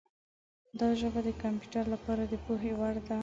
دا ژبه د کمپیوټر لپاره د پوهې وړ ده.